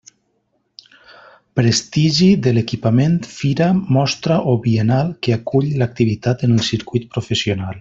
Prestigi de l'equipament, fira, mostra o biennal que acull l'activitat en el circuit professional.